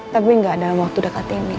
tapi gak ada waktu dekat ini